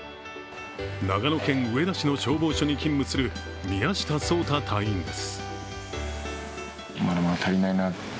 長野県上田市の消防署に勤務する宮下颯汰隊員です。